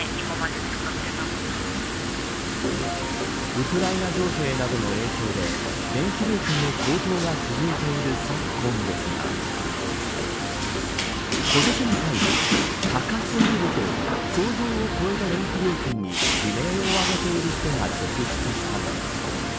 ウクライナ情勢などの影響で電気料金の高騰が続いている昨今ですが今年に入り、高過ぎると想像を超えた電気料金に悲鳴を上げている人が続出したのです。